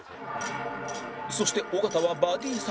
そして尾形はバディ探し